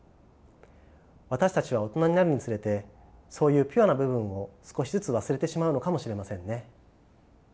私たちは大人になるにつれてそういうピュアな部分を少しずつ忘れてしまうのかもしれませんね。